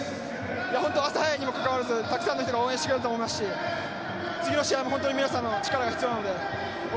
朝早いにもかかわらずたくさんの人が応援してくれたと思いますし次の試合も皆さんの力が必要なので応援